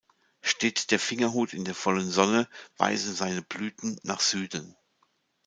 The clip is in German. Steht der Fingerhut in der vollen Sonne, weisen seine Blüten nach Süden.